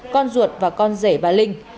con ruột và con rể bà linh